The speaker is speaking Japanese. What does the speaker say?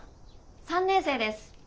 ３年生です。